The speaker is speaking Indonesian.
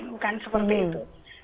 bukan seperti itu